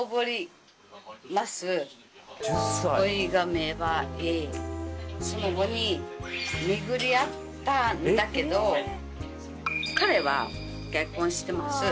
恋が芽生えその後に巡り合ったんだけど彼は結婚してます。